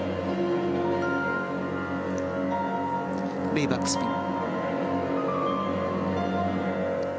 レイバックスピン。